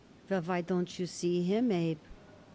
"Well, why don't you see him, Abe?"